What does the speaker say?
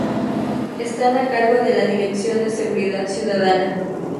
Están a cargo de la Dirección de Seguridad Ciudadana.